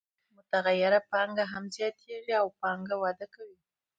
متغیره پانګه هم زیاتېږي او پانګه وده کوي